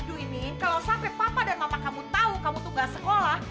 woy imin kalau sampai papa dan mama kamu tau kamu tuh gak sekolah